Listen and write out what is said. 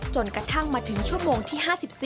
จนกระทั่งมาถึงชั่วโมงที่๕๔